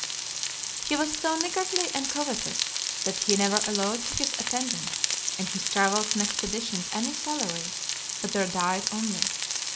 He was so niggardly and covetous, that he never allowed to his attendants, in his travels and expeditions, any salary, but their diet only.